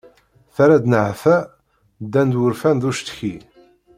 Terra-d nnehta ddan-d wurfan d ucetki.